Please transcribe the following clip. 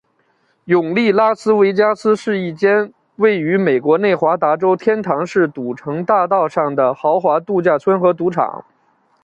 永利拉斯维加斯是一间位于美国内华达州天堂市赌城大道上的豪华度假村和赌场。